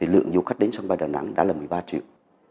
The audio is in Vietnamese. lượng du khách đến sân bay đà nẵng đã là một mươi ba triệu